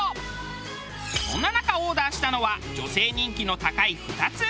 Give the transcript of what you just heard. そんな中オーダーしたのは女性人気の高い２つ。